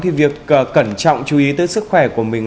thì việc cẩn trọng chú ý tới sức khỏe của mình